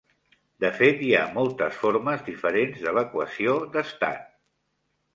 De fet, hi ha moltes formes diferents de l'equació d'estat.